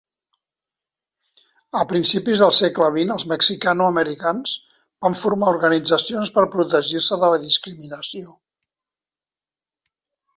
A principis del segle XX, els mexicanoamericans van formar organitzacions per protegir-se de la discriminació.